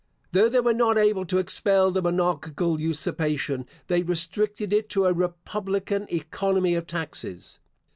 Though they were not able to expel the monarchical usurpation, they restricted it to a republican economy of taxes.